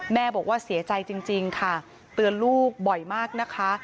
แม่บอกว่าเสียใจจริงค่ะเตือนลูกบ่อยมากนะคะ